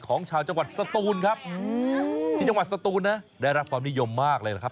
ของชาวจังหวัดสตูนครับที่จังหวัดสตูนนะได้รับความนิยมมากเลยนะครับ